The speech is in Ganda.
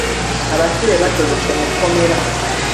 Abasibe batolose mu kkomera.